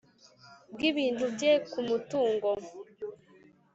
bw ibintu bye ku mutungo